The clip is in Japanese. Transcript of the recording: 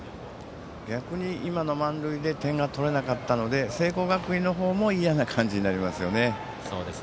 逆に今の満塁で点が取れなかったので聖光学院の方も嫌な感じになりますよね。